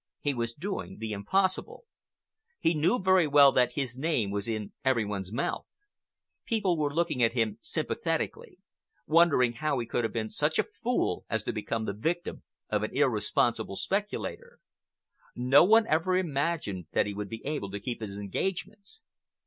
He was doing the impossible. He knew very well that his name was in every one's mouth. People were looking at him sympathetically, wondering how he could have been such a fool as to become the victim of an irresponsible speculator. No one ever imagined that he would be able to keep his engagements.